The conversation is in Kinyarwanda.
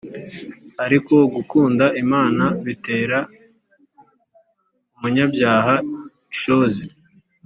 ariko gukunda Imana bitera umunyabyaha ishozi